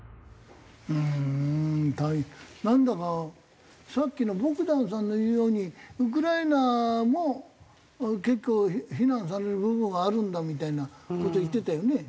うーんなんだかさっきのボグダンさんの言うようにウクライナも結構非難される部分はあるんだみたいな事言ってたよね。